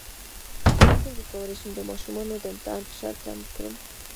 څنګه کولی شم د ماشومانو د امتحان فشار کم کړم